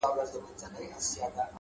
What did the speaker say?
د زړه ملا مي راته وايي دغه،